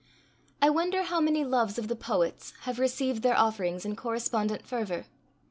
I wonder how many loves of the poets have received their offerings in correspondent fervour.